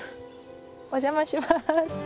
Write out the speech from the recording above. お邪魔します！